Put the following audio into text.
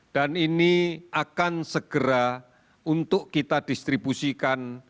dan ini akan segera untuk kita distribusikan